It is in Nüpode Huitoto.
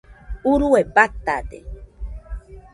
urue batade